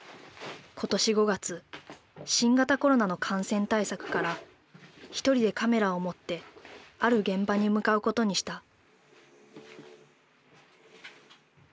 今年５月新型コロナの感染対策から一人でカメラを持ってある現場に向かうことにした。